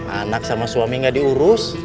anak sama suami nggak diurus